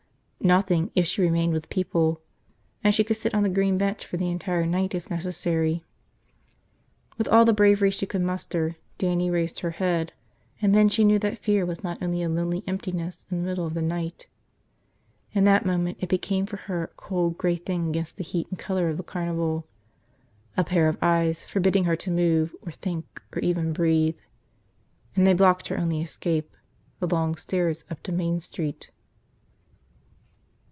Nothing, if she remained with people. And she could sit on the green bench for the entire night if necessary. With all the bravery she could muster, Dannie raised her head. And then she knew that fear was not only a lonely emptiness in the middle of the night. In that moment it became for her a cold gray thing against the heat and color of the carnival – a pair of eyes forbidding her to move or think or even breathe. And they blocked her only escape, the long stairs up to Main Street.